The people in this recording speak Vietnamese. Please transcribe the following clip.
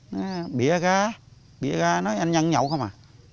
nói bịa ra bịa ra nói anh nhân nhậu không à